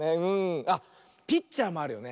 あっピッチャーもあるよね。